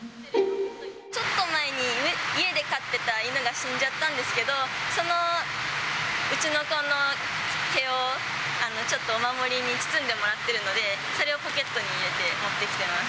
ちょっと前に家で飼ってた犬が死んじゃったんですけど、そのうちの子の毛を、ちょっとお守りに包んでもらってるので、それをポケットに入れて持ってきてます。